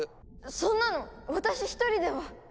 そんなの私１人では！